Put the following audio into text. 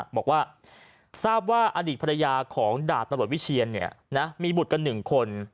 บอกว่าทราบว่าอดีตภรรยาของดาบตำรวจวิเชียนมีบุตรกัน๑คน